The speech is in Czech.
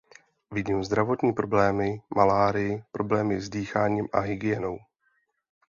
Vidím zdravotní problémy, malárii, problémy s dýchaním a hygienou.